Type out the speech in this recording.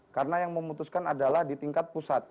karena yang memutuskan adalah di tingkat pusat